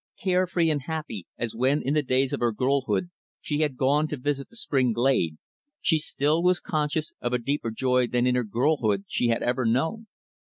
Care free and happy, as when, in the days of her girlhood, she had gone to visit the spring glade, she still was conscious of a deeper joy than in her girlhood she had ever known.